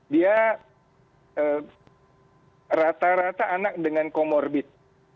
dia rata rata anak dengan comorbid